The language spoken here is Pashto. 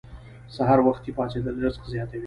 سحر وختي پاڅیدل رزق زیاتوي.